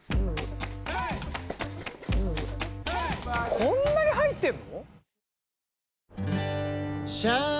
こんなに入ってんの？